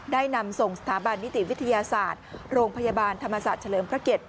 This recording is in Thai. นำส่งสถาบันนิติวิทยาศาสตร์โรงพยาบาลธรรมศาสตร์เฉลิมพระเกต